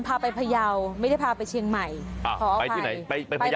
พาไปพยาวไม่ได้พาไปเชียงใหม่อ่าขอไปที่ไหนไปไปพยาว